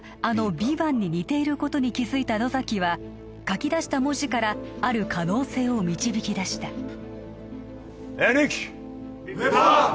ヴィヴァンに似ていることに気づいた野崎は書き出した文字からある可能性を導き出したヴィパァン